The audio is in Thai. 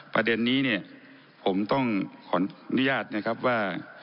ประเด็นนี้เนี่ยผมต้องขออนุญาตนะครับว่า